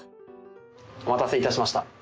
お待たせいたしました。